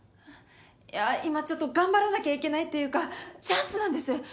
いや今ちょっと頑張らなきゃいけないっていうかチャンスなんです！